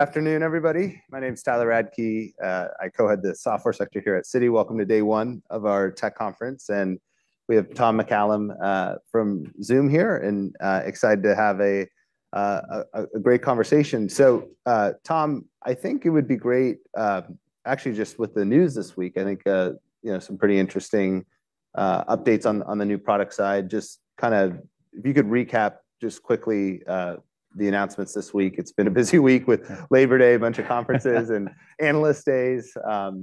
Afternoon, everybody. My name is Tyler Radke. I co-head the software sector here at Citi. Welcome to day one of our tech conference, and we have Tom McCallum from Zoom here, and excited to have a great conversation. So, Tom, I think it would be great, actually, just with the news this week, I think, you know, some pretty interesting updates on the new product side. Just kind of if you could recap just quickly the announcements this week. It's been a busy week with Labor Day, a bunch of conferences and analyst days.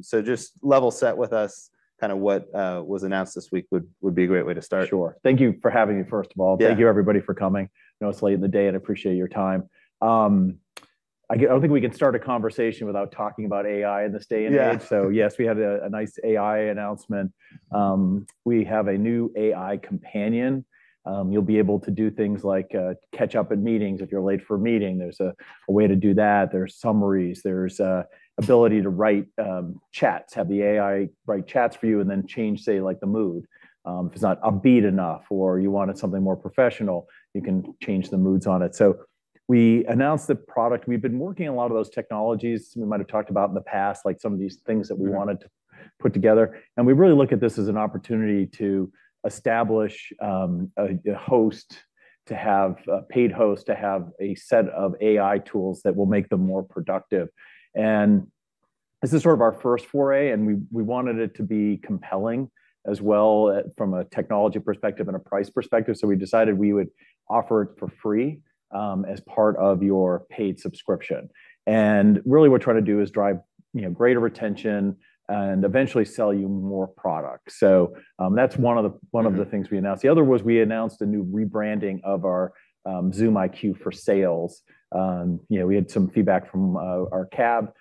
So just level set with us kind of what was announced this week would be a great way to start. Sure. Thank you for having me, first of all. Yeah. Thank you, everybody, for coming. I know it's late in the day, and I appreciate your time. I don't think we can start a conversation without talking about AI in this day and age. Yeah. So, yes, we had a nice AI announcement. We have a new AI Companion. You'll be able to do things like catch up in meetings. If you're late for a meeting, there's a way to do that. There's summaries, there's an ability to write chats, have the AI write chats for you, and then change, say, like, the mood. If it's not upbeat enough or you wanted something more professional, you can change the moods on it. So we announced the product. We've been working on a lot of those technologies we might have talked about in the past, like some of these things that- Yeah We wanted to put together, and we really look at this as an opportunity to establish a host, to have a paid host, to have a set of AI tools that will make them more productive. And this is sort of our first foray, and we wanted it to be compelling as well from a technology perspective and a price perspective. So we decided we would offer it for free as part of your paid subscription. And really, what we're trying to do is drive, you know, greater retention and eventually sell you more product. So, that's one of the- Mm-hmm One of the things we announced. The other was we announced a new rebranding of our Zoom IQ for Sales. You know, we had some feedback from our CAB.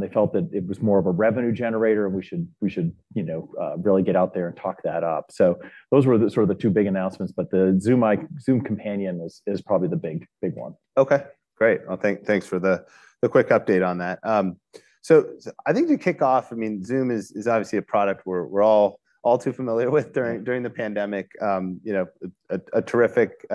They felt that it was more of a revenue generator, and we should, we should you know really get out there and talk that up. So those were the sort of the two big announcements, but the Zoom Companion is, is probably the big, big one. Okay, great! Well, thanks for the quick update on that. So, I think to kick off, I mean, Zoom is obviously a product we're all too familiar with during- Yeah During the pandemic. You know, a terrific,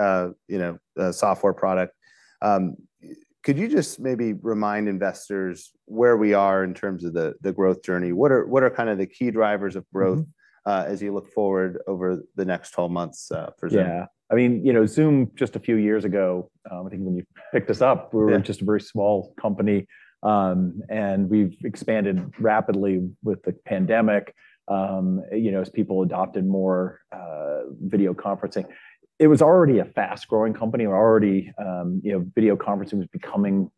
you know, software product. Could you just maybe remind investors where we are in terms of the growth journey? What are kind of the key drivers of growth? Mm-hmm As you look forward over the next 12 months, for Zoom? Yeah. I mean, you know, Zoom, just a few years ago, I think when you picked us up- Yeah We were just a very small company. We've expanded rapidly with the pandemic. You know, as people adopted more video conferencing, it was already a fast-growing company. You know, video conferencing was becoming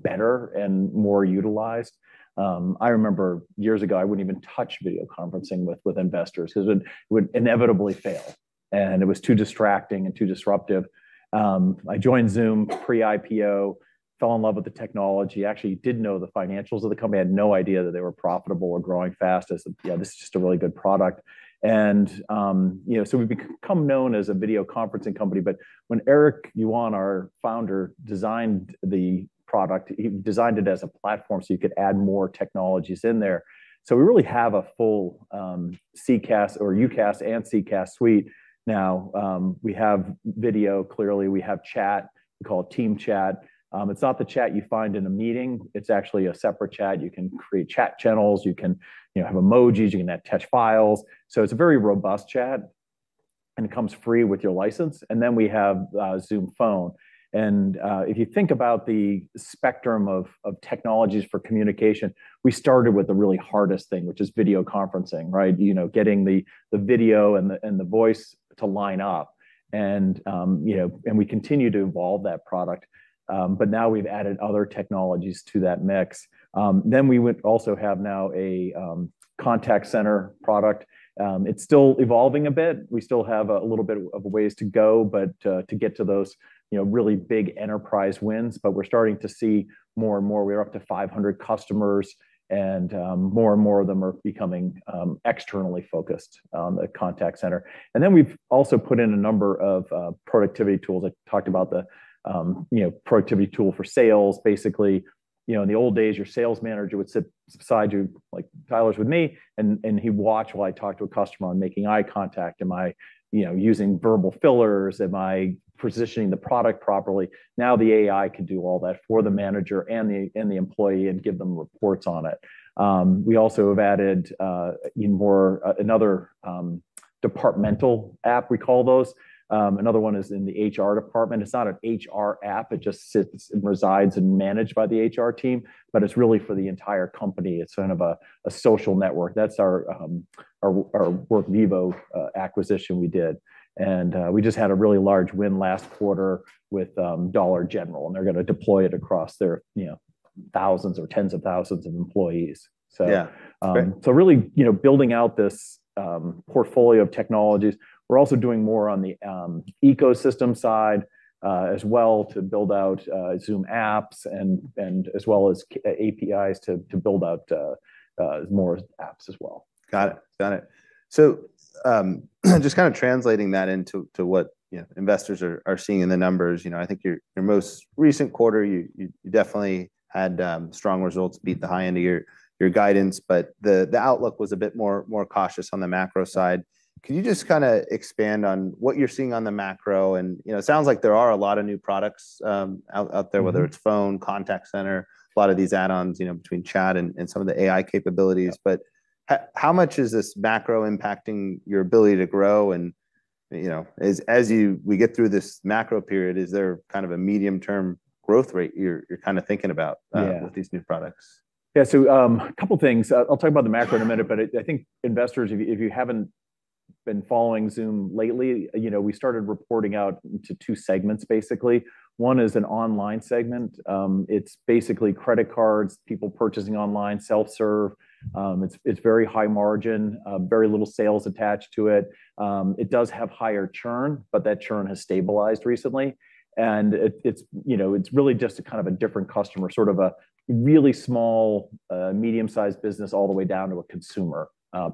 better and more utilized. I remember years ago, I wouldn't even touch video conferencing with investors because it would inevitably fail, and it was too distracting and too disruptive. I joined Zoom pre-IPO, fell in love with the technology. Actually, didn't know the financials of the company. I had no idea that they were profitable or growing fast. I said, "Yeah, this is just a really good product." You know, so we've become known as a video conferencing company, but when Eric Yuan, our founder, designed the product, he designed it as a platform, so you could add more technologies in there. So we really have a full CCaaS or UCaaS and CCaaS suite now. We have video, clearly, we have chat. We call it Team Chat. It's not the chat you find in a meeting. It's actually a separate chat. You can create chat channels, you can, you know, have emojis, you can attach files. So it's a very robust chat, and it comes free with your license, and then we have Zoom Phone. And if you think about the spectrum of technologies for communication, we started with the really hardest thing, which is video conferencing, right? You know, getting the video and the voice to line up. And you know, we continue to evolve that product. But now we've added other technologies to that mix. Then we would also have now a contact center product. It's still evolving a bit. We still have a little bit of ways to go, but to get to those, you know, really big enterprise wins. But we're starting to see more and more. We're up to 500 customers, and more and more of them are becoming externally focused, the contact center. And then we've also put in a number of productivity tools. I talked about the, you know, productivity tool for sales. Basically, you know, in the old days, your sales manager would sit beside you, like Tyler's with me, and he'd watch while I talk to a customer. I'm making eye contact. Am I, you know, using verbal fillers? Am I positioning the product properly? Now, the AI can do all that for the manager and the employee, and give them reports on it. We also have added even more... another departmental app, we call those. Another one is in the HR department. It's not an HR app. It just sits and resides and managed by the HR team, but it's really for the entire company. It's kind of a social network. That's our Workvivo acquisition we did. And we just had a really large win last quarter with Dollar General, and they're gonna deploy it across their, you know, thousands or tens of thousands of employees. So- Yeah. Great. So really, you know, building out this portfolio of technologies. We're also doing more on the ecosystem side, as well, to build out Zoom Apps and, and as well as APIs to, to build out more apps as well. Got it. Got it. So, just kind of translating that into what, you know, investors are seeing in the numbers, you know, I think your most recent quarter, you definitely had strong results, beat the high end of your guidance, but the outlook was a bit more cautious on the macro side. Can you just kind of expand on what you're seeing on the macro? And, you know, it sounds like there are a lot of new products out there, whether it's phone, contact center, a lot of these add-ons, you know, between chat and some of the AI capabilities. But how much is this macro impacting your ability to grow? You know, as we get through this macro period, is there kind of a medium-term growth rate you're kind of thinking about? Yeah With these new products? Yeah. So, a couple things. I'll talk about the macro in a minute, but I think investors, if you haven't been following Zoom lately, you know, we started reporting out into two segments basically. One is an online segment. It's basically credit cards, people purchasing online, self-serve. It's very high margin, very little sales attached to it. It does have higher churn, but that churn has stabilized recently. And it, you know, it's really just a kind of a different customer, sort of a really small, medium-sized business all the way down to a consumer.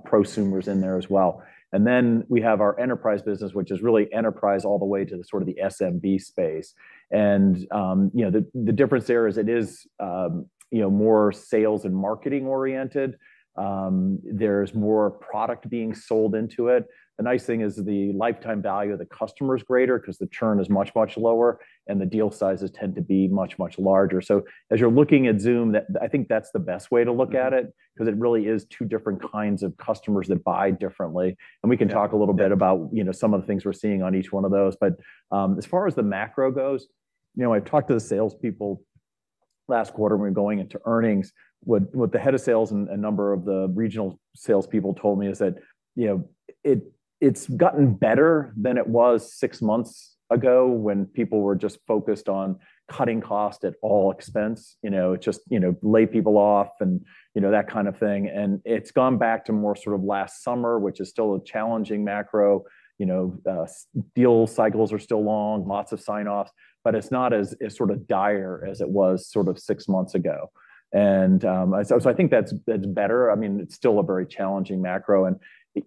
Prosumer is in there as well. And then we have our enterprise business, which is really enterprise all the way to the sort of the SMB space. And, you know, the difference there is it is, you know, more sales and marketing oriented. There's more product being sold into it. The nice thing is the lifetime value of the customer is greater 'cause the churn is much, much lower, and the deal sizes tend to be much, much larger. So as you're looking at Zoom, that—I think that's the best way to look at it, 'cause it really is two different kinds of customers that buy differently. Yeah. We can talk a little bit about, you know, some of the things we're seeing on each one of those. But as far as the macro goes, you know, I've talked to the salespeople last quarter when we were going into earnings. What the head of sales and a number of the regional salespeople told me is that, you know, it's gotten better than it was six months ago when people were just focused on cutting costs at all expense. You know, just, you know, lay people off and, you know, that kind of thing. And it's gone back to more sort of last summer, which is still a challenging macro. You know, deal cycles are still long, lots of sign-offs, but it's not as sort of dire as it was sort of six months ago. So I think that's better. I mean, it's still a very challenging macro, and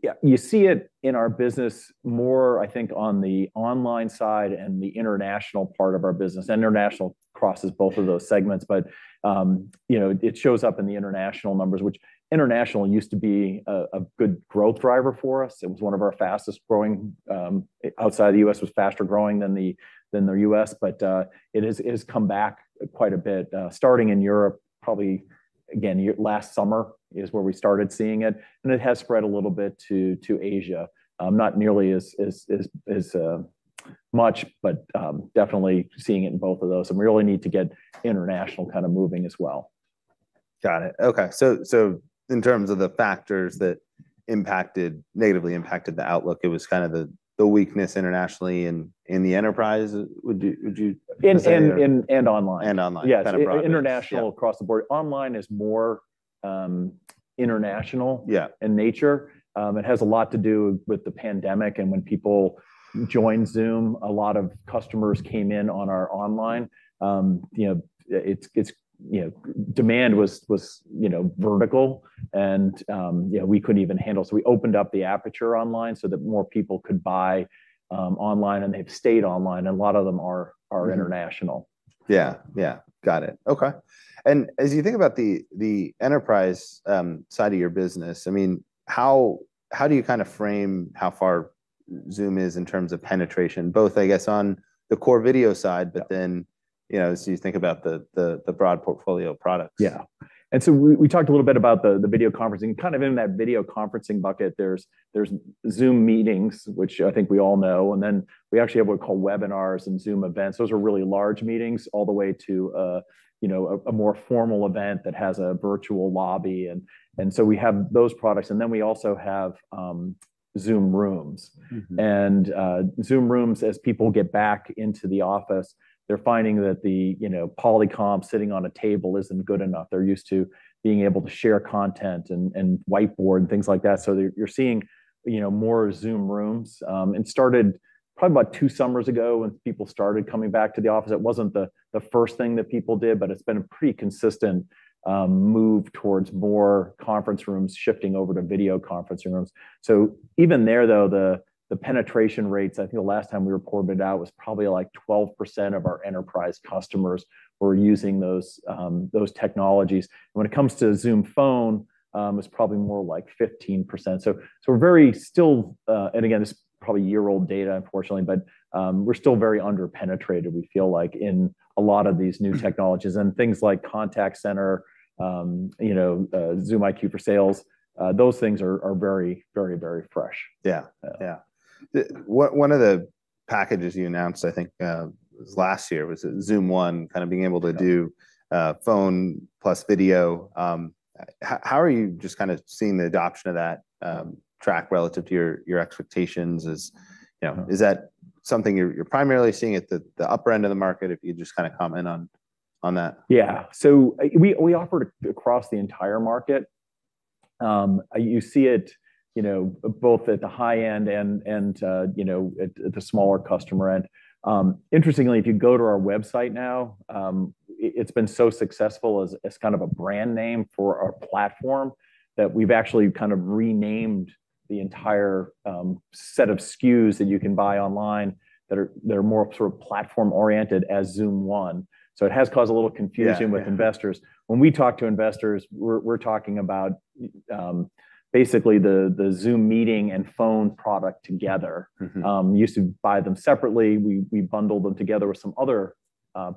yeah, you see it in our business more, I think, on the online side and the international part of our business. International crosses both of those segments, but you know, it shows up in the international numbers, which international used to be a good growth driver for us. It was one of our fastest-growing outside of the U.S., was faster-growing than the U.S. But it has come back quite a bit, starting in Europe, probably again last summer is where we started seeing it, and it has spread a little bit to Asia. Not nearly as much, but definitely seeing it in both of those. We really need to get international kind of moving as well. Got it. Okay. So in terms of the factors that impacted, negatively impacted the outlook, it was kind of the weakness internationally in the enterprise, would you say? online. And online. Yeah. Kind of broad-based. Yeah. International across the board. Online is more, international- Yeah In nature, It has a lot to do with the pandemic, and when people joined Zoom, a lot of customers came in on our online. You know, it's-- you know, demand was vertical, and you know, we couldn't even handle. So we opened up the aperture online so that more people could buy online, and they've stayed online, and a lot of them are- Mm-hmm Are international. Yeah, yeah. Got it. Okay. As you think about the enterprise side of your business, I mean, how do you kind of frame how far Zoom is in terms of penetration, both, I guess, on the core video side? Yeah But then, you know, as you think about the broad portfolio of products? Yeah. And so we talked a little bit about the video conferencing. Kind of in that video conferencing bucket, there's Zoom Meetings, which I think we all know, and then we actually have what are called webinars and Zoom Events. Those are really large meetings, all the way to, you know, a more formal event that has a virtual lobby. And so we have those products, and then we also have Zoom Rooms. Mm-hmm. Zoom Rooms, as people get back into the office, they're finding that the, you know, Polycom sitting on a table isn't good enough. They're used to being able to share content and whiteboard and things like that. So you're seeing, you know, more Zoom Rooms. It started probably about two summers ago when people started coming back to the office. It wasn't the first thing that people did, but it's been a pretty consistent move towards more conference rooms shifting over to video conferencing rooms. So even there, though, the penetration rates, I think the last time we reported it out, was probably like 12% of our enterprise customers were using those technologies. When it comes to Zoom Phone, it's probably more like 15%. So we're very still. Again, this is probably a year-old data, unfortunately, but we're still very under-penetrated, we feel like, in a lot of these new technologies. Things like contact center, you know, Zoom IQ for Sales, those things are very, very, very fresh. Yeah. Yeah. Yeah. One of the packages you announced, I think, it was last year, was Zoom One, kind of being able to do- Yeah Phone plus video. How are you just kind of seeing the adoption of that track relative to your expectations? Is- Mm You know, is that something you're primarily seeing at the upper end of the market? If you could just kind of comment on that. Yeah. So we, we offer it across the entire market. You see it, you know, both at the high end and, and you know, at the smaller customer end. Interestingly, if you go to our website now, it, it's been so successful as kind of a brand name for our platform, that we've actually kind of renamed the entire set of SKUs that you can buy online that are that are more sort of platform oriented as Zoom One. So it has caused a little confusion- Yeah, yeah With investors. When we talk to investors, we're talking about basically the Zoom meeting and phone product together. Mm-hmm. You used to buy them separately. We bundled them together with some other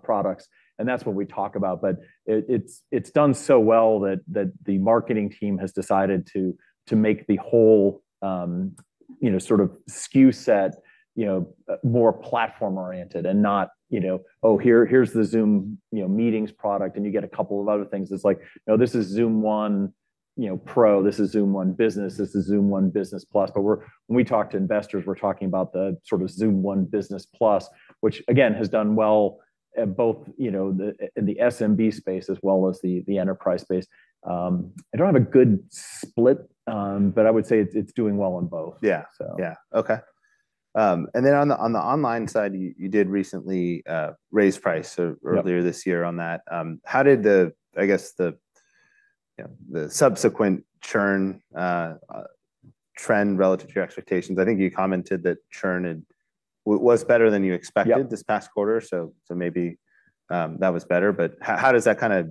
products, and that's what we talk about. But it's done so well that the marketing team has decided to make the whole, you know, sort of SKU set, you know, more platform-oriented and not, you know, "Oh, here, here's the Zoom Meetings product," and you get a couple of other things. It's like, "No, this is Zoom One, you know, Pro, this is Zoom One Business, this is Zoom One Business Plus." But when we talk to investors, we're talking about the sort of Zoom One Business Plus, which again, has done well at both, you know, in the SMB space as well as the enterprise space. I don't have a good split, but I would say it's, it's doing well on both. Yeah. So. Yeah. Okay. And then on the online side, you did recently raise price, so- Yep Earlier this year on that. How did the, I guess, the, you know, the subsequent churn trend relative to your expectations? I think you commented that churn had was better than you expected- Yep This past quarter, so maybe that was better. But how does that kind of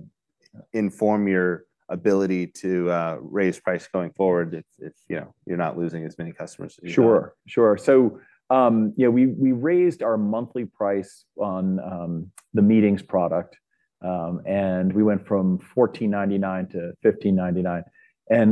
inform your ability to raise price going forward if, you know, you're not losing as many customers? Sure, sure. So, you know, we raised our monthly price on the meetings product, and we went from $14.99-$15.99.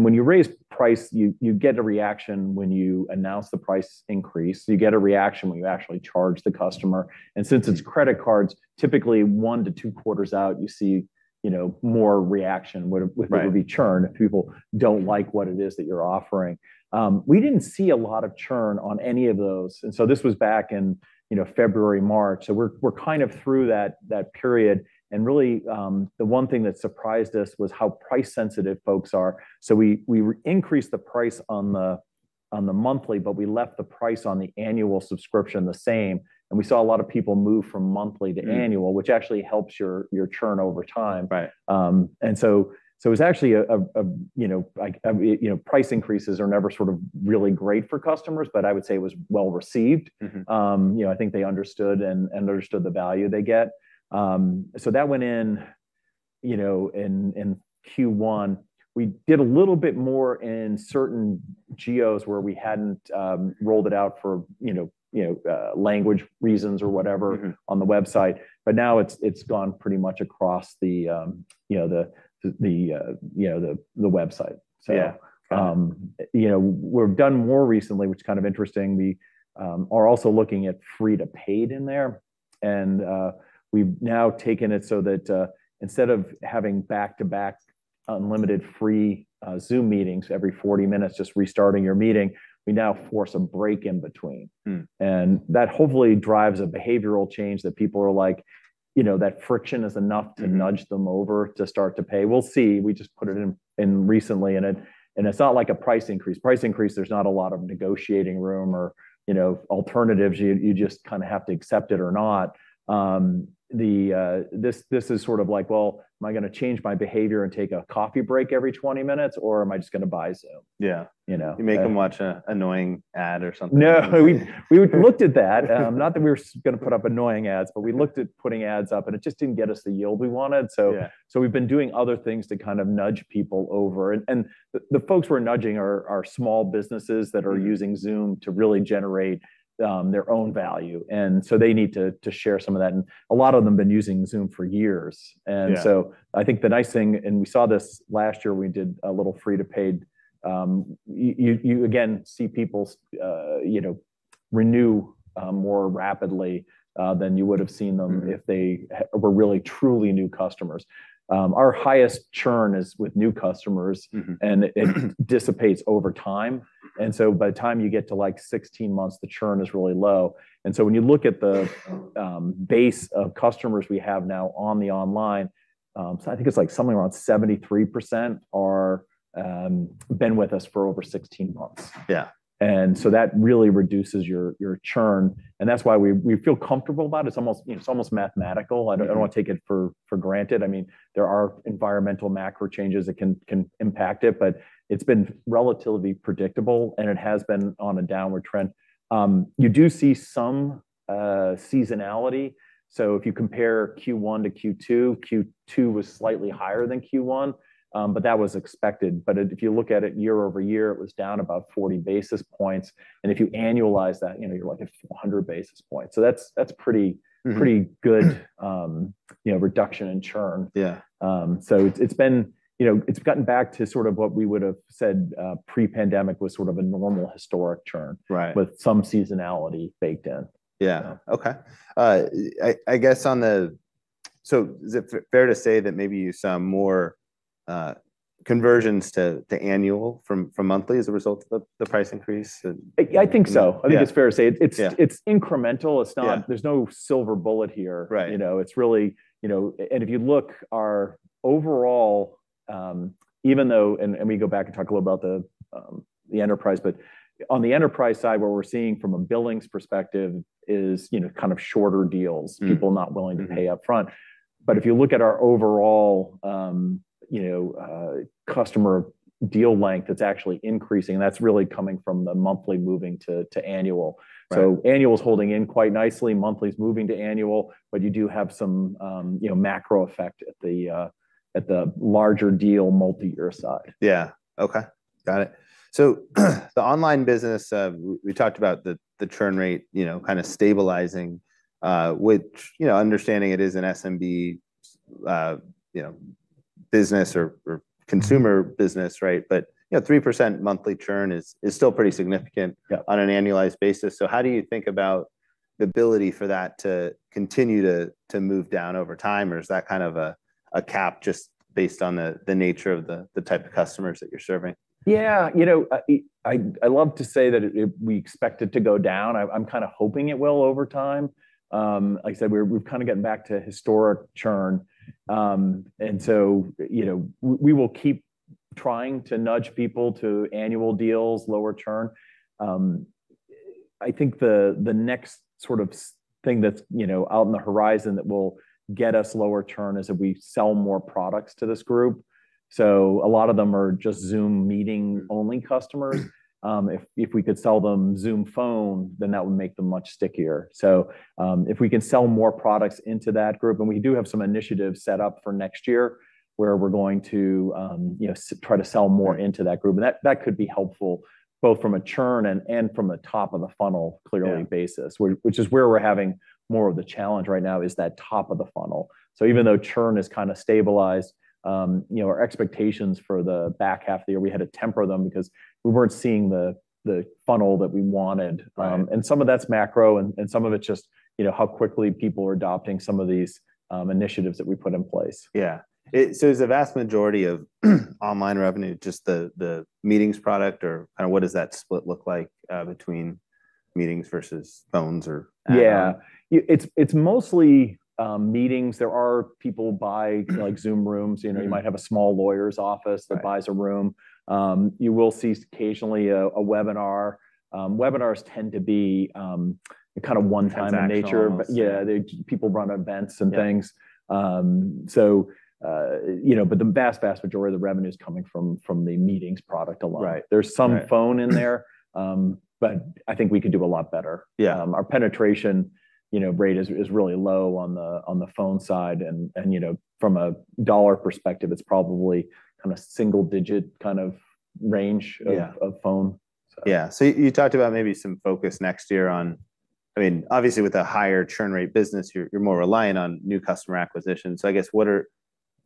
When you raise price, you get a reaction when you announce the price increase. You get a reaction when you actually charge the customer. Mm. Since it's credit cards, typically one-two quarters out, you see, you know, more reaction, would- Right Would be churn if people don't like what it is that you're offering. We didn't see a lot of churn on any of those, and so this was back in, you know, February, March. So we're, we're kind of through that, that period. And really, the one thing that surprised us was how price sensitive folks are. So we, we increased the price on the, on the monthly, but we left the price on the annual subscription the same, and we saw a lot of people move from monthly to annual- Mm Which actually helps your churn over time. Right. So it's actually, you know, like, you know, price increases are never sort of really great for customers, but I would say it was well received. Mm-hmm. You know, I think they understood and understood the value they get. So that went in, you know, in Q1. We did a little bit more in certain geos where we hadn't rolled it out for, you know, language reasons or whatever- Mm-hmm On the website. But now it's gone pretty much across the, you know, the website. So- Yeah. You know, we've done more recently, which is kind of interesting. We are also looking at free to paid in there, and we've now taken it so that, instead of having back-to-back unlimited free Zoom meetings every 40 minutes, just restarting your meeting, we now force a break in between. Mm. That hopefully drives a behavioral change that people are like, you know, that friction is enough- Mm To nudge them over to start to pay. We'll see. We just put it in recently, and it's not like a price increase. Price increase, there's not a lot of negotiating room or, you know, alternatives. You just kind of have to accept it or not. This is sort of like, "Well, am I going to change my behavior and take a coffee break every 20 minutes, or am I just going to buy Zoom? Yeah. You know? You make them watch an annoying ad or something. No, we looked at that. Not that we were going to put up annoying ads, but we looked at putting ads up, and it just didn't get us the yield we wanted. So- Yeah So we've been doing other things to kind of nudge people over. And the folks we're nudging are small businesses that are- Mm Using Zoom to really generate, their own value, and so they need to, to share some of that, and a lot of them have been using Zoom for years. Yeah. And so I think the nice thing, and we saw this last year when we did a little free to paid, you again see people's, you know, renew more rapidly than you would have seen them- Mm If they were really truly new customers. Our highest churn is with new customers. Mm-hmm. It dissipates over time, and so by the time you get to, like, 16 months, the churn is really low. So when you look at the base of customers we have now on the online, so I think it's like somewhere around 73% are been with us for over 16 months. Yeah. And so that really reduces your, your churn, and that's why we, we feel comfortable about it. It's almost, you know, it's almost mathematical. Mm-hmm. I don't want to take it for granted. I mean, there are environmental macro changes that can impact it, but it's been relatively predictable, and it has been on a downward trend. You do see some seasonality. So if you compare Q1 to Q2, Q2 was slightly higher than Q1, but that was expected. But if you look at it year-over-year, it was down about 40 basis points, and if you annualize that, you know, you're like at 100 basis points. So that's pretty- Mm Pretty good, you know, reduction in churn. Yeah. So it's been... You know, it's gotten back to sort of what we would've said pre-pandemic was sort of a normal historic churn- Right With some seasonality baked in. Yeah. So. Okay. I guess so is it fair to say that maybe you saw more conversions to annual from monthly as a result of the price increase? And- I think so. Yeah. I think it's fair to say. Yeah. It's incremental. Yeah. There's no silver bullet here. Right. You know, it's really... You know, and if you look, our overall, even though, and, and we go back and talk a little about the, the enterprise, but on the enterprise side, what we're seeing from a billings perspective is, you know, kind of shorter deals- Mm People not willing- Mm To pay upfront. But if you look at our overall, you know, customer deal length, it's actually increasing, and that's really coming from the monthly moving to annual. Right. So annual is holding in quite nicely, monthly is moving to annual, but you do have some, you know, macro effect at the larger deal, multi-year side. Yeah. Okay, got it. So, the online business, we talked about the churn rate, you know, kind of stabilizing, which, you know, understanding it is an SMB, you know, business or consumer business, right? But, you know, 3% monthly churn is still pretty significant- Yeah. On an annualized basis. So how do you think about the ability for that to continue to move down over time? Or is that kind of a cap just based on the nature of the type of customers that you're serving? Yeah, you know, I'd love to say that it, it—we expect it to go down. I'm kind of hoping it will over time. Like I said, we've kind of gotten back to historic churn. And so, you know, we will keep trying to nudge people to annual deals, lower churn. I think the next sort of thing that's, you know, out on the horizon that will get us lower churn is if we sell more products to this group. So a lot of them are just Zoom Meeting only customers. If we could sell them Zoom Phone, then that would make them much stickier. So, if we can sell more products into that group, and we do have some initiatives set up for next year, where we're going to, you know, try to sell more into that group. And that, that could be helpful, both from a churn and, and from a top-of-the-funnel clearing- Yeah Basis, which is where we're having more of the challenge right now, is that top-of-the-funnel. So even though churn has kind of stabilized, you know, our expectations for the back half of the year, we had to temper them because we weren't seeing the funnel that we wanted. Right. Some of that's macro, and some of it's just, you know, how quickly people are adopting some of these initiatives that we put in place. Yeah. It so is the vast majority of online revenue just the, the Meetings product, or kind of what does that split look like between Meetings versus Phones or- Yeah. It's mostly Zoom Meetings. There are people who buy, like, Zoom Rooms. Yeah. You know, you might have a small lawyer's office- Right That buys a Room. You will see occasionally a webinar. Webinars tend to be kind of one-time in nature. Transactional. Yeah, people run events and things. Yeah. So, you know, but the vast, vast majority of the revenue is coming from, from the Meetings product alone. Right. Right. There's some Phone in there, but I think we could do a lot better. Yeah. Our penetration, you know, rate is really low on the Phone side, and you know, from a dollar perspective, it's probably kind of single digit kind of range- Yeah Of Phone, so. Yeah. So you talked about maybe some focus next year on... I mean, obviously, with a higher churn rate business, you're more reliant on new customer acquisition. So I guess what are...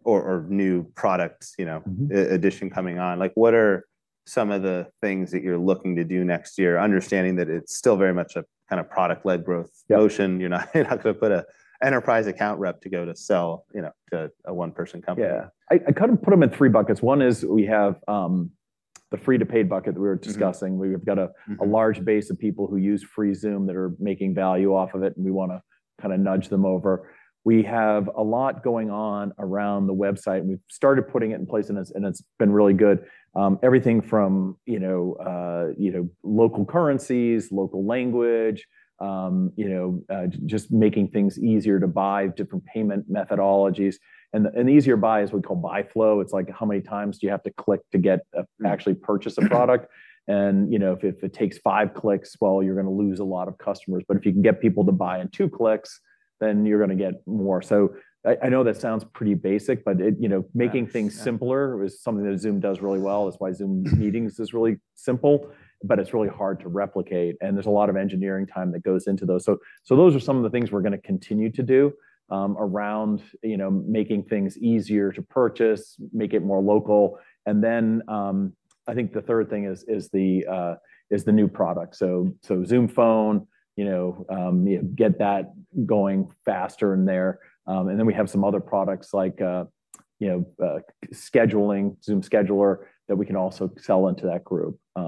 Or new products, you know- Mm-hmm Addition coming on. Like, what are some of the things that you're looking to do next year, understanding that it's still very much a kind of product-led growth- Yeah Promotion? You're not, you're not going to put an enterprise account rep to go to sell, you know, to a one-person company. Yeah. I kind of put them in three buckets. One is we have the free-to-paid bucket that we were discussing. Mm-hmm. We've got a- Mm-hmm A large base of people who use free Zoom, that are making value off of it, and we want to kind of nudge them over. We have a lot going on around the website, and we've started putting it in place, and it's been really good. Everything from, you know, local currencies, local language, you know, just making things easier to buy, different payment methodologies. And easier buy is what we call buy flow. It's like, how many times do you have to click to get to actually purchase a product? And, you know, if it takes five clicks, well, you're going to lose a lot of customers. But if you can get people to buy in two clicks, then you're going to get more. So I know that sounds pretty basic, but it, you know- Yeah. Making things simpler is something that Zoom does really well. That's why Zoom Meetings is really simple, but it's really hard to replicate, and there's a lot of engineering time that goes into those. So those are some of the things we're going to continue to do, around, you know, making things easier to purchase, make it more local. And then I think the third thing is the new product. So Zoom Phone, you know, get that going faster in there. And then we have some other products like, you know, scheduling, Zoom Scheduler, that we can also sell into that group. So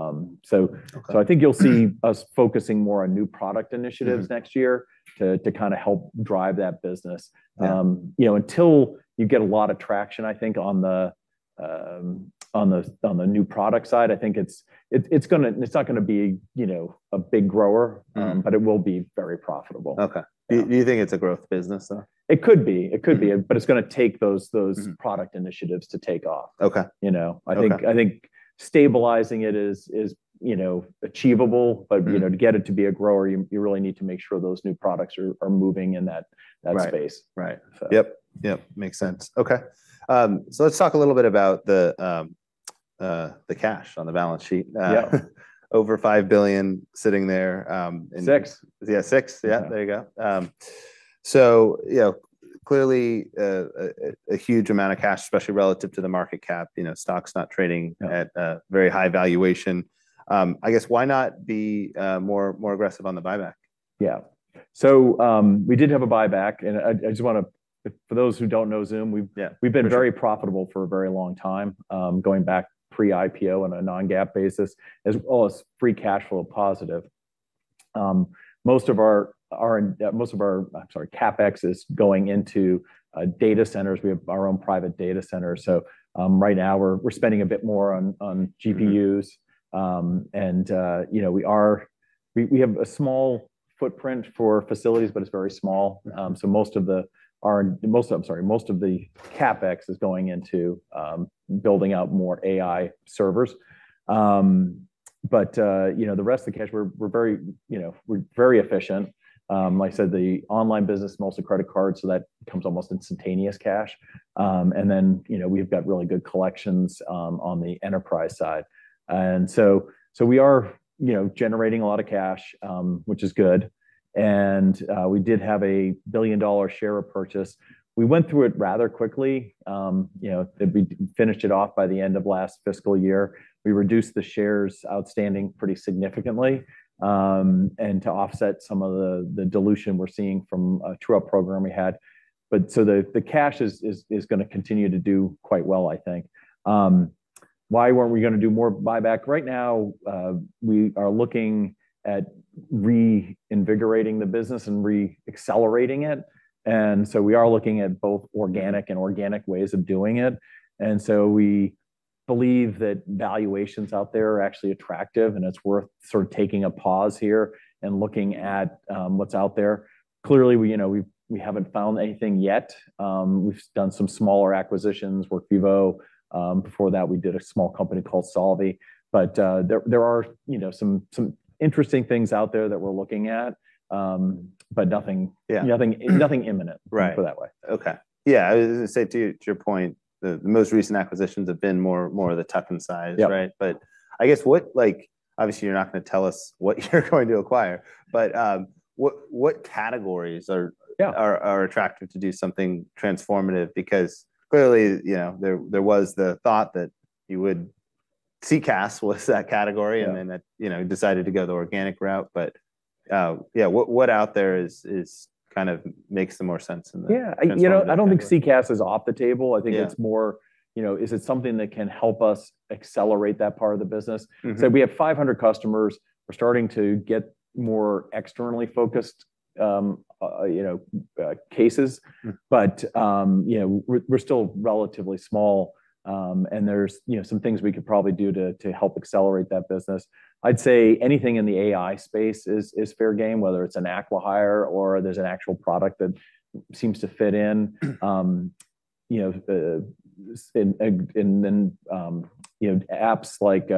Okay So I think you'll see us focusing more on new product initiatives- Mm-hmm Next year to kind of help drive that business. Yeah. You know, until you get a lot of traction, I think, on the new product side, I think it's gonna - it's not gonna be, you know, a big grower- Mm-hmm. But it will be very profitable. Okay. Yeah. Do you think it's a growth business, though? It could be. It could be. Mm. But it's going to take those. Mm-hmm Product initiatives to take off. Okay. You know? Okay. I think stabilizing it is, you know, achievable- Mm-hmm But you know, to get it to be a grower, you really need to make sure those new products are moving in that space. Right. So. Yep. Yep, makes sense. Okay. So let's talk a little bit about the cash on the balance sheet. Yeah. Over $5 billion sitting there, in- Six. Yeah, six. Mm-hmm. Yeah, there you go. So, you know, clearly, a huge amount of cash, especially relative to the market cap. You know, stock's not trading- No At a very high valuation. I guess, why not be more aggressive on the buyback? Yeah. So, we did have a buyback, and I just want to... For those who don't know Zoom, we've- Yeah, for sure. We've been very profitable for a very long time, going back pre-IPO on a non-GAAP basis, as well as free cash flow positive. Most of our CapEx is going into data centers. We have our own private data center, so right now we're spending a bit more on GPUs. Mm-hmm. You know, we have a small footprint for facilities, but it's very small. Mm. So most of the CapEx is going into building out more AI servers. But you know, the rest of the cash, we're very efficient. Like I said, the online business, mostly credit cards, so that becomes almost instantaneous cash. And then, you know, we've got really good collections on the enterprise side. And so we are, you know, generating a lot of cash, which is good. And we did have a billion-dollar share repurchase. We went through it rather quickly. It'd be finished off by the end of last fiscal year. We reduced the shares outstanding pretty significantly, and to offset some of the dilution we're seeing from a true-up program we had. But the cash is gonna continue to do quite well, I think. Why weren't we gonna do more buyback? Right now, we are looking at reinvigorating the business and reaccelerating it, and so we are looking at both organic and inorganic ways of doing it. And so we believe that valuations out there are actually attractive, and it's worth sort of taking a pause here and looking at what's out there. Clearly, you know, we haven't found anything yet. We've done some smaller acquisitions, Workvivo. Before that, we did a small company called Solvvy. But there are, you know, some interesting things out there that we're looking at, but nothing- Yeah. Nothing, nothing imminent- Right Go that way. Okay. Yeah, I was gonna say, to, to your point, the most recent acquisitions have been more, more of the tuck-in size, right? Yeah. But I guess what like... Obviously, you're not gonna tell us what you're going to acquire, but what categories are- Yeah Are attractive to do something transformative? Because clearly, you know, there was the thought that you would, CCaaS was that category. Yeah. Then, you know, decided to go the organic route. But yeah, what out there is kind of makes the more sense in the- Yeah Transformative category? You know, I don't think CCaaS is off the table. Yeah. I think it's more, you know, is it something that can help us accelerate that part of the business? Mm-hmm. We have 500 customers. We're starting to get more externally focused, you know, cases. Mm. But, you know, we're still relatively small. There's, you know, some things we could probably do to help accelerate that business. I'd say anything in the AI space is fair game, whether it's an acqui-hire or there's an actual product that seems to fit in. You know, and apps like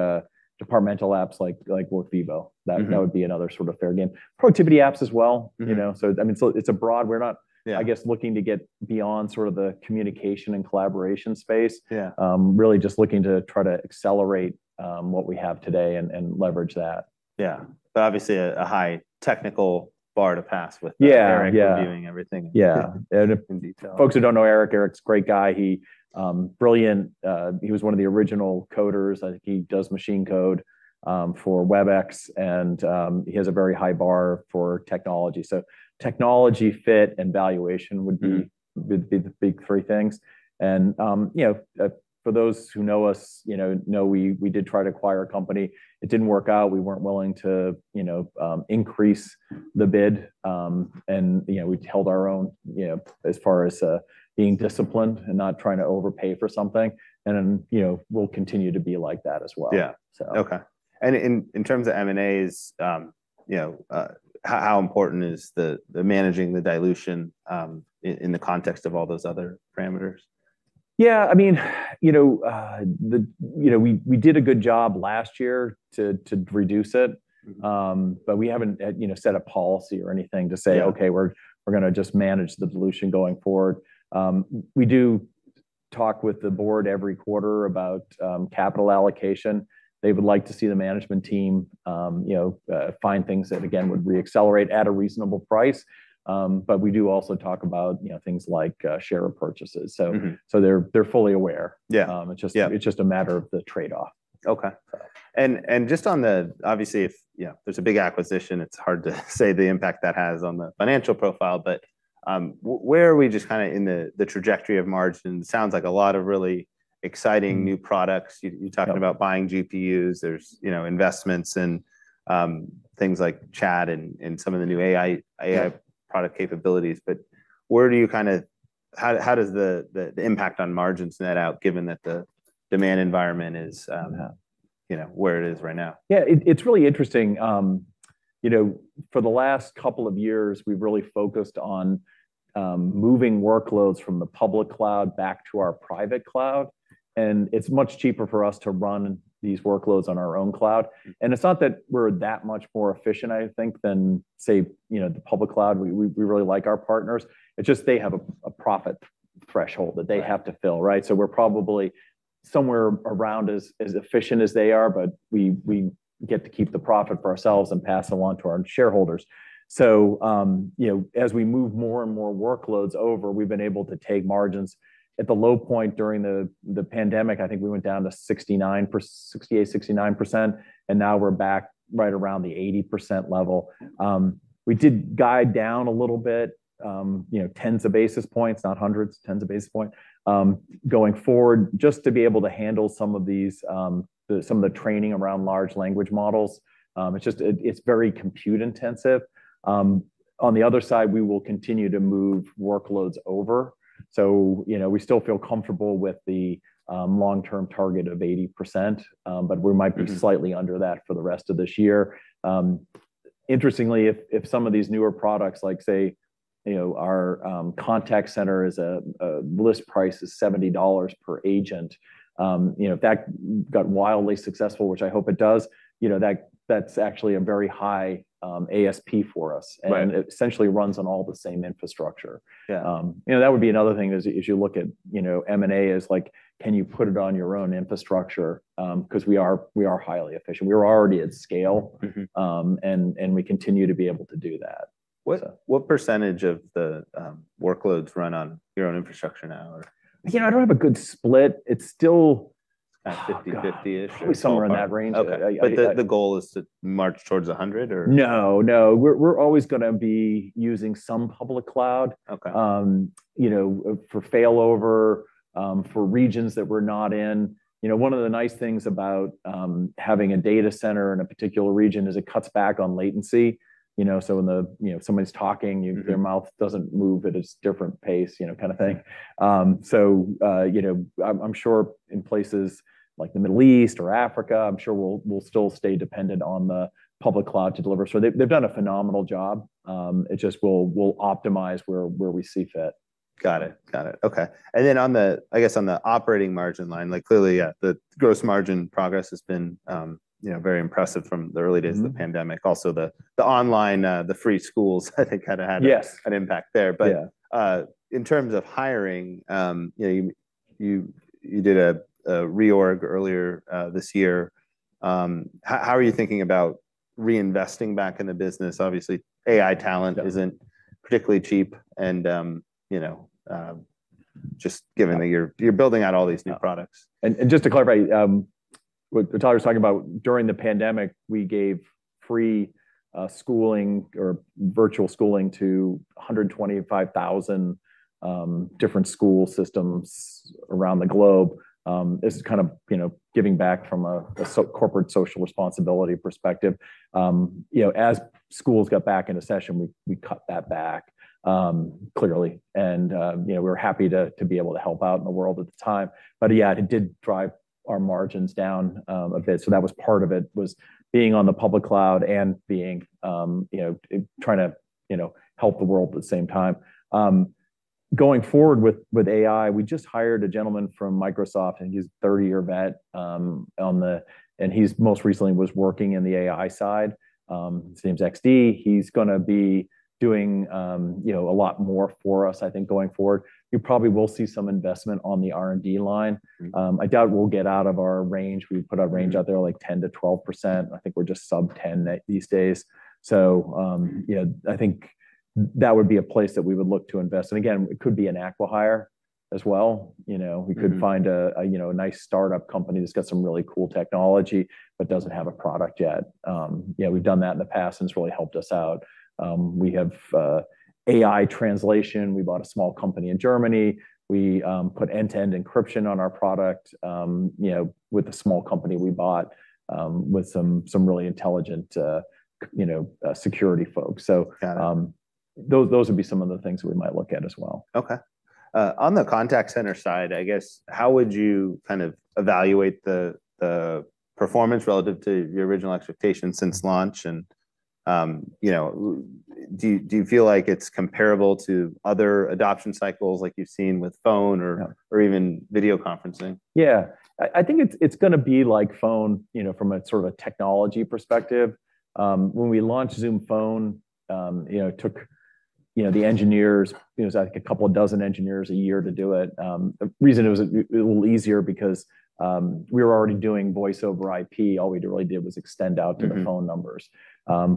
departmental apps like Workvivo. Mm-hmm. That would be another sort of fair game. Productivity apps as well- Mm-hmm You know, so, I mean, so it's a broad... We're not- Yeah I guess, looking to get beyond sort of the communication and collaboration space. Yeah. Really just looking to try to accelerate what we have today and leverage that. Yeah. But obviously, a high technical bar to pass with- Yeah, yeah -Eric reviewing everything- Yeah In detail. Folks who don't know Eric, Eric's a great guy. He, brilliant. He was one of the original coders. I think he does machine code for Webex, and he has a very high bar for technology. So technology fit and valuation would be- Mm Would be the big three things. And, you know, for those who know us, you know, know we, we did try to acquire a company. It didn't work out. We weren't willing to, you know, increase the bid. And, you know, we held our own, you know, as far as, being disciplined and not trying to overpay for something. And, you know, we'll continue to be like that as well. Yeah. So. Okay. And in terms of M&As, you know, how important is managing the dilution in the context of all those other parameters? Yeah, I mean, you know, you know, we did a good job last year to reduce it. Mm. But we haven't, you know, set a policy or anything to say- Yeah "Okay, we're gonna just manage the dilution going forward." We do talk with the board every quarter about capital allocation. They would like to see the management team, you know, find things that, again, would reaccelerate at a reasonable price. But we do also talk about, you know, things like share repurchases. So- Mm-hmm. So they're fully aware. Yeah, yeah. It's just a matter of the trade-off. Okay. So. Just on the... Obviously, if, you know, there's a big acquisition, it's hard to say the impact that has on the financial profile, but where are we just kinda in the trajectory of margin? It sounds like a lot of really exciting new products. Yeah. You talked about buying GPUs. There's, you know, investments and things like chat and some of the new AI- Yeah AI product capabilities. But where do you kinda... How does the impact on margins net out given that the demand environment is Yeah You know, where it is right now? Yeah, it's really interesting. You know, for the last couple of years, we've really focused on moving workloads from the public cloud back to our private cloud, and it's much cheaper for us to run these workloads on our own cloud. Mm. It's not that we're that much more efficient, I think, than, say, you know, the public cloud. We really like our partners. It's just they have a profit threshold- Right That they have to fill, right? So we're probably somewhere around as efficient as they are, but we get to keep the profit for ourselves and pass along to our shareholders. So, you know, as we move more and more workloads over, we've been able to take margins. At the low point during the pandemic, I think we went down to 68-69%, and now we're back right around the 80% level. We did guide down a little bit, you know, tens of basis points, not hundreds, going forward, just to be able to handle some of these, some of the training around large language models. It's just, it's very compute-intensive. On the other side, we will continue to move workloads over, so, you know, we still feel comfortable with the long-term target of 80%. But we might be- Mm-hmm Slightly under that for the rest of this year. Interestingly, if some of these newer products, like, say, you know, our contact center is a list price is $70 per agent, you know, if that got wildly successful, which I hope it does, you know, that's actually a very high ASP for us. Right. It essentially runs on all the same infrastructure. Yeah. You know, that would be another thing as you look at, you know, M&A is like, can you put it on your own infrastructure? 'Cause we are highly efficient. We're already at scale- Mm-hmm. And we continue to be able to do that. So- What percentage of the workloads run on your own infrastructure now or? You know, I don't have a good split. It's still- About 50, 50-ish or so. Probably somewhere in that range. Okay. Yeah, yeah. But the goal is to march towards 100, or? No, no. We're always gonna be using some public cloud. Okay. You know, for failover, for regions that we're not in. You know, one of the nice things about having a data center in a particular region is it cuts back on latency, you know, so when the... you know, if somebody's talking- Mm-hmm. Their mouth doesn't move at a different pace, you know, kind of thing. Yeah. So, you know, I'm sure in places like the Middle East or Africa, I'm sure we'll still stay dependent on the public cloud to deliver. So they've done a phenomenal job. It just we'll optimize where we see fit. Got it. Got it. Okay. And then on the, I guess, on the operating margin line, like, clearly, yeah, the gross margin progress has been, you know, very impressive from the early days- Mm-hmm Of the pandemic. Also, the online free schools, I think kind of had- Yes An impact there. Yeah. But in terms of hiring, you know, you did a reorg earlier this year. How are you thinking about reinvesting back in the business? Obviously, AI talent- Yeah Isn't particularly cheap, and, you know, just given that you're, you're building out all these new products. Yeah. And just to clarify, what Tyler's talking about, during the pandemic, we gave free schooling or virtual schooling to 125,000 different school systems around the globe. This is kind of, you know, giving back from a corporate social responsibility perspective. You know, as schools got back into session, we cut that back, clearly. And you know, we were happy to be able to help out in the world at the time. But yeah, it did drive our margins down a bit. So that was part of it, was being on the public cloud and being, you know, trying to, you know, help the world at the same time. Going forward with AI, we just hired a gentleman from Microsoft, and he's a 30-year vet on the... He's most recently was working in the AI side. His name's XD. He's gonna be doing, you know, a lot more for us, I think, going forward. You probably will see some investment on the R&D line. Mm. I doubt we'll get out of our range. We've put our range- Mm Out there, like 10%-12%. I think we're just sub-10% these days. Yeah, I think that would be a place that we would look to invest. And again, it could be an acqui-hire as well, you know. Mm-hmm. We could find you know a nice startup company that's got some really cool technology but doesn't have a product yet. Yeah, we've done that in the past, and it's really helped us out. We have AI translation. We bought a small company in Germany. We put end-to-end encryption on our product you know with a small company we bought with some really intelligent you know security folks. So- Got it Those, those would be some of the things we might look at as well. Okay. On the contact center side, I guess, how would you kind of evaluate the performance relative to your original expectations since launch? And, you know, do you feel like it's comparable to other adoption cycles like you've seen with phone or- Yeah Or even video conferencing? Yeah. I think it's gonna be like phone, you know, from a sort of a technology perspective. When we launched Zoom Phone, you know, it took the engineers; it was like a couple of dozen engineers a year to do it. The reason it was a little easier because we were already doing voice over IP. All we really did was extend out- Mm-hmm To the phone numbers.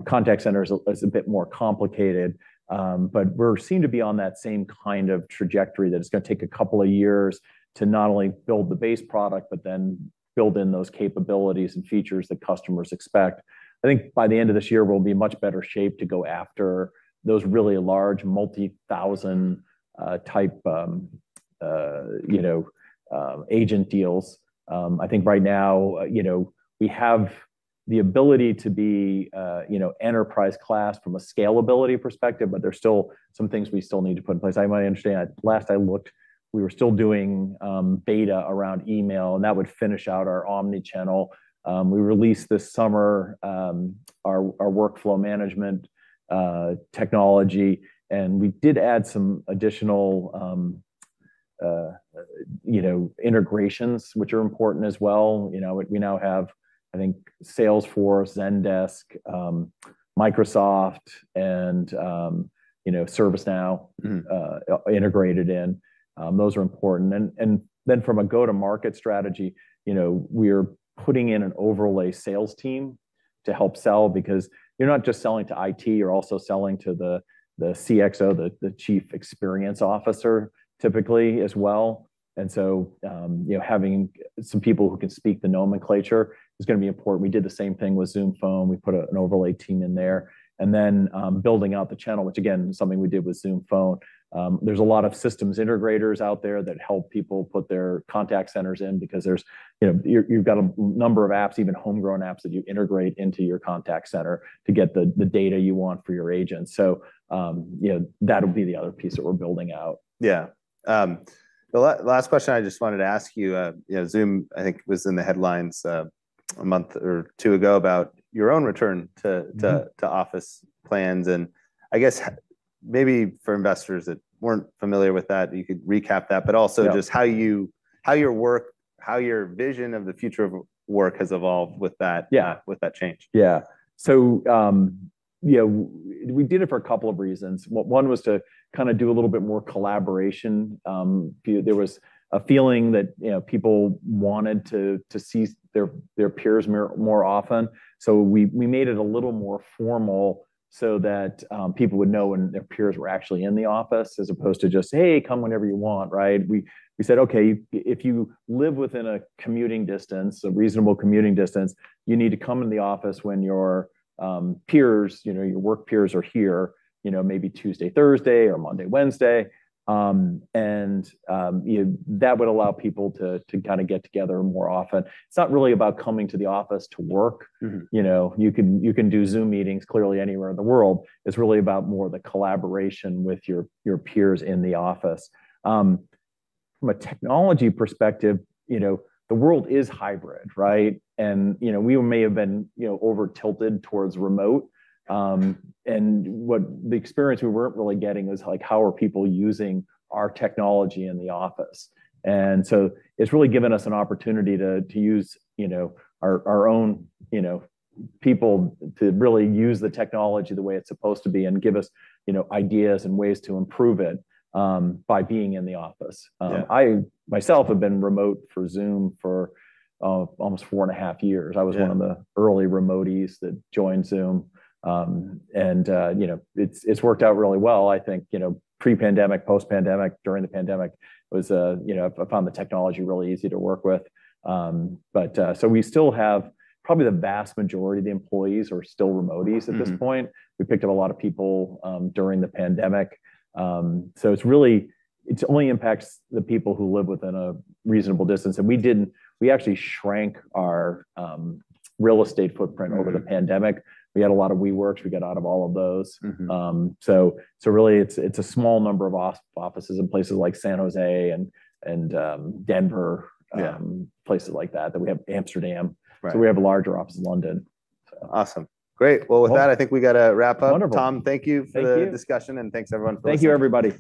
Contact center is a bit more complicated, but we seem to be on that same kind of trajectory, that it's gonna take a couple of years to not only build the base product but then build in those capabilities and features that customers expect. I think by the end of this year, we'll be in much better shape to go after those really large, multi-thousand type, you know, agent deals. I think right now, you know, we have the ability to be, you know, enterprise class from a scalability perspective, but there's still some things we still need to put in place. Last I looked, we were still doing beta around email, and that would finish out our omnichannel. We released this summer our workflow management technology, and we did add some additional, you know, integrations, which are important as well. You know, we now have, I think, Salesforce, Zendesk, Microsoft, and, you know, ServiceNow- Mm Integrated in. Those are important. And then from a go-to-market strategy, you know, we are putting in an overlay sales team to help sell because you're not just selling to IT, you're also selling to the CXO, the chief experience officer, typically as well. And so, you know, having some people who can speak the nomenclature is gonna be important. We did the same thing with Zoom Phone. We put an overlay team in there. And then, building out the channel, which again, is something we did with Zoom Phone. There's a lot of systems integrators out there that help people put their contact centers in because there's, you know... you've got a number of apps, even homegrown apps, that you integrate into your contact center to get the data you want for your agents. You know, that'll be the other piece that we're building out. Yeah. The last question I just wanted to ask you, you know, Zoom, I think, was in the headlines, a month or two ago about your own return to- Mm To office plans. And I guess maybe for investors that weren't familiar with that, you could recap that. Yeah. But also just how you, how your work, how your vision of the future of work has evolved with that? Yeah With that change? Yeah. So, you know, we did it for a couple of reasons. One was to kind of do a little bit more collaboration. There was a feeling that, you know, people wanted to see their peers more often. So we made it a little more formal so that people would know when their peers were actually in the office, as opposed to just, "Hey, come whenever you want," right? We said, "Okay, if you live within a commuting distance, a reasonable commuting distance, you need to come in the office when your peers, you know, your work peers are here, you know, maybe Tuesday, Thursday, or Monday, Wednesday." And you know, that would allow people to kind of get together more often. It's not really about coming to the office to work. Mm-hmm. You know, you can, you can do Zoom meetings clearly anywhere in the world. It's really about more the collaboration with your, your peers in the office. From a technology perspective, you know, the world is hybrid, right? And, you know, we may have been, you know, over-tilted towards remote. And what the experience we weren't really getting was, like, how are people using our technology in the office? And so it's really given us an opportunity to, to use, you know, our, our own, you know, people to really use the technology the way it's supposed to be and give us, you know, ideas and ways to improve it, by being in the office. Yeah. I myself have been remote for Zoom for almost 4.5 years. Yeah. I was one of the early remoties that joined Zoom. And, you know, it's worked out really well. I think, you know, pre-pandemic, post-pandemic, during the pandemic, you know, I found the technology really easy to work with. But so we still have probably the vast majority of the employees are still remoties at this point. Mm-hmm. We picked up a lot of people during the pandemic. So it's really. It only impacts the people who live within a reasonable distance, and we didn't. We actually shrank our real estate footprint- Mm-hmm Over the pandemic. We had a lot of WeWorks, we got out of all of those. Mm-hmm. So really, it's a small number of offices in places like San Jose and Denver. Yeah Places like that, that we have Amsterdam. Right. We have a larger office in London. Awesome. Great! Well- Well, with that, I think we gotta wrap up. Wonderful. Tom, thank you for the- Thank you Discussion, and thanks, everyone, for listening. Thank you, everybody.